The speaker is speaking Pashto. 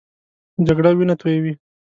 جګړه وینه تویوي